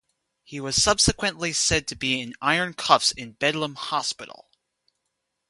He was subsequently said to be in iron cuffs in Bedlam hospital.